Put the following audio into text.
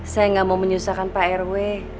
saya nggak mau menyusahkan pak rw